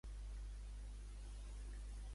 Quantes obres ha creat Canela?